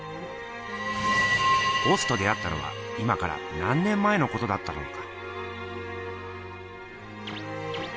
ボスと出会ったのは今から何年前のことだったろうか？